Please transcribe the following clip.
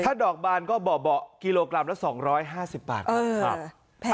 ถ้าดอกบานก็เบาะเบาะกิโลกรัมแล้ว๒๕๐บาทครับ